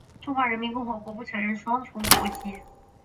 中华人民共和国不承认双重国籍。